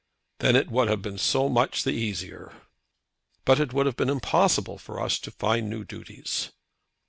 "Then it would have been so much the easier." "But it would have been impossible for us to find new duties."